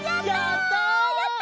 やった！